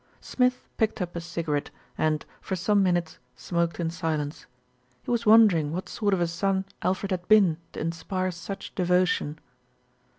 Smith picked up a cigarette and, for some minutes, smoked in silence. He was wondering what sort of a son Alfred had been to inspire such devotion.